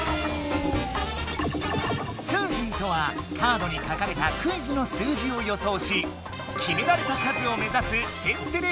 「スージー」とはカードに書かれたクイズの数字を予想し決められた数をめざす「天てれ」